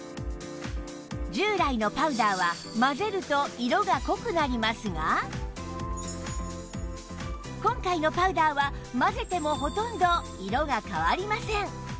従来のパウダーは混ぜると今回のパウダーは混ぜてもほとんど色が変わりません